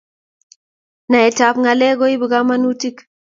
Naet ab ngalek koibu kamanutik